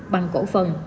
bằng cổ phần